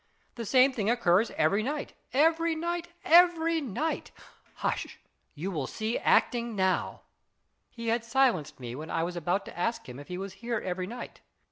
The same thing occurs every night, every night, IS IT A MAN? 241 every night ! Hush ! you will see acting now." He had silenced me when I was about to ask him if he was here every night.